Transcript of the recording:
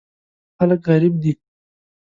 خلک غریب دي.